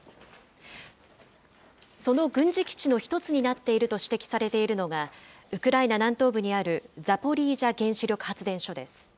その軍事基地の１つになっていると指摘されているのが、ウクライナ南東部にあるザポリージャ原子力発電所です。